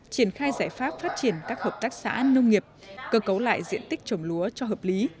triển khai giải pháp phát triển các hợp tác xã nông nghiệp cơ cấu lại diện tích trồng lúa cho hợp lý